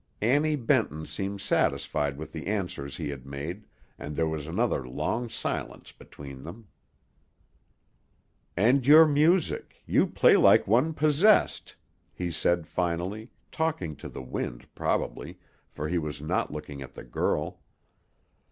Annie Benton seemed satisfied with the answers he had made, and there was another long silence between them. "And your music you play like one possessed," he said finally, talking to the wind, probably, for he was not looking at the girl.